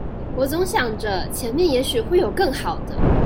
我總想著前面也許會有更好的